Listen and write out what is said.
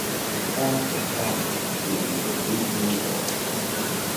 The park was damaged during the Revolutionary wars.